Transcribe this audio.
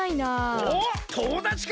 おっともだちか？